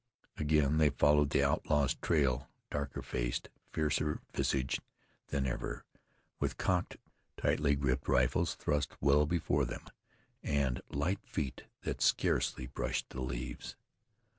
Again they followed the outlaw's trail darker faced, fiercer visaged than ever, with cocked, tightly gripped rifles thrust well before them, and light feet that scarcely brushed the leaves.